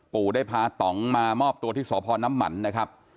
ปู่ได้พาต่องมามอบตัวที่สพน้ำมันนะครับ